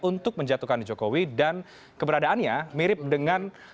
untuk menjatuhkan jokowi dan keberadaannya mirip dengan